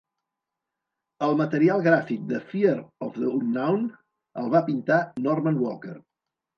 El material gràfic de "Fear of the Unknown" el va pintar Norman Walker.